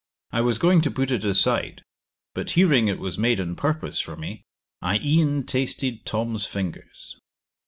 I was going to put it aside; but hearing it was made on purpose for me, I e'en tasted Tom's fingers.